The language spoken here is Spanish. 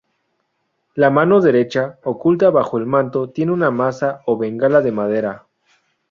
La mano derecha, oculta bajo el manto, tiene una maza o bengala de madera.